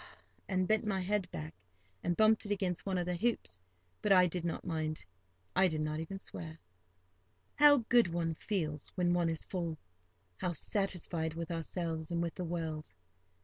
and bent my head back, and bumped it against one of the hoops, but I did not mind it. I did not even swear. How good one feels when one is full—how satisfied with ourselves and with the world!